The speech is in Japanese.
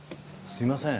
すいません。